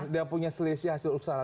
dia punya selisih hasil usaha